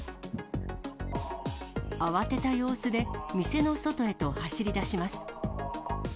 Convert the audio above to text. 慌てた様子で店の外へと走りだします。